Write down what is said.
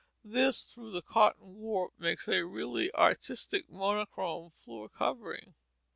This, through the cotton warp, makes a really artistic monochrome floor covering.